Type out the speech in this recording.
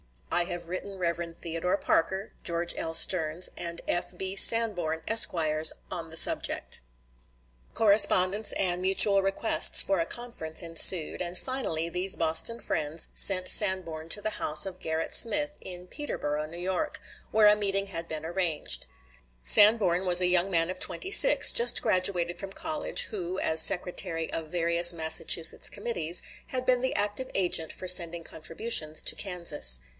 I have written Rev. Theodore Parker, George L. Stearns, and F.B. Sanborn, Esquires, on the subject." Sanborn, "Life and Letters of John Brown," p. 438. Correspondence and mutual requests for a conference ensued, and finally these Boston friends sent Sanborn to the house of Gerrit Smith, in Peterboro, New York, where a meeting had been arranged. Sanborn was a young man of twenty six, just graduated from college, who, as secretary of various Massachusetts committees, had been the active agent for sending contributions to Kansas.